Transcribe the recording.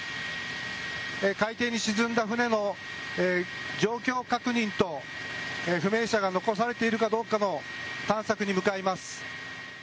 海底に沈んだ船の状況確認と不明者が残されているかどうかの探索に向かいます。